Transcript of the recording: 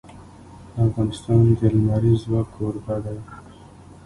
افغانستان د لمریز ځواک کوربه دی.